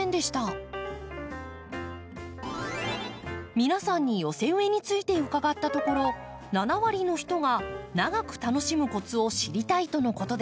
皆さんに寄せ植えについて伺ったところ７割の人が長く楽しむコツを知りたいとのことでした。